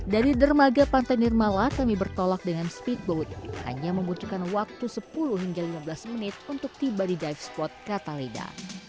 dari dermaga pantai nirmala kami bertolak dengan speedboat hanya membutuhkan waktu sepuluh hingga lima belas menit untuk tiba di dive spot catalida